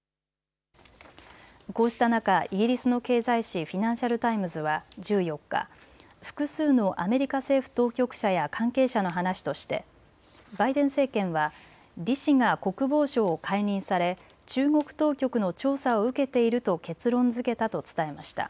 こうした中、イギリスの経済紙、フィナンシャル・タイムズは１４日、複数のアメリカ政府当局者や関係者の話としてバイデン政権は李氏が国防相を解任され中国当局の調査を受けていると結論づけたと伝えました。